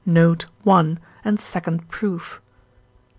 note. i. and second proof).